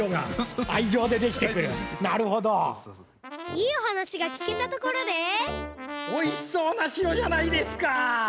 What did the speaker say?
いいおはなしがきけたところでおいしそうな白じゃないですか！